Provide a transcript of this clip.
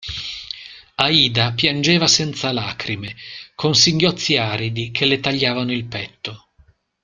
Aida piangeva senza lacrime, con singhiozzi aridi che le tagliavano il petto.